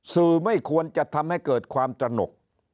ไม่ควรจะทำให้เกิดความตระหนก